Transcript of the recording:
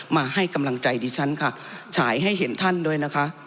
มาให้กำลังใจดิฉันค่ะฉายให้เห็นท่านด้วยนะคะ